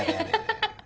ハハハ！